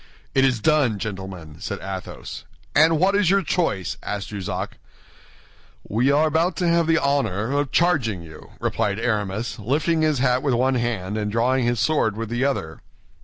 "It is done, gentlemen," said Athos. "And what is your choice?" asked Jussac. "We are about to have the honor of charging you," replied Aramis, lifting his hat with one hand and drawing his sword with the other.